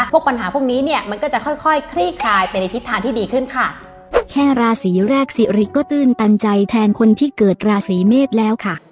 พวกปัญหาพวกนี้เนี่ยมันก็จะค่อยคลี่คลายเป็นทิศทานที่ดีขึ้นค่ะ